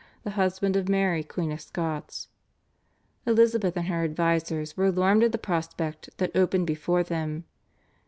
the husband of Mary Queen of Scots. Elizabeth and her advisers were alarmed at the prospect that opened before them.